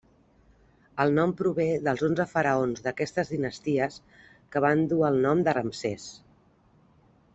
El nom prové dels onze faraons d'aquestes dinasties que van dur el nom de Ramsès.